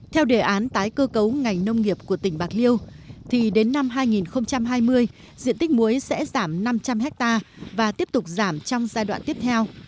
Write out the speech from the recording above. theo đề án tái cơ cấu ngành nông nghiệp của tỉnh bạc liêu thì đến năm hai nghìn hai mươi diện tích muối sẽ giảm năm trăm linh hectare và tiếp tục giảm trong giai đoạn tiếp theo